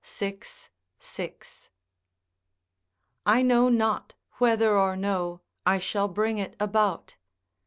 6, 6.] I know not whether or no I shall bring it about.